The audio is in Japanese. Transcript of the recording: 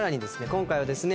今回はですね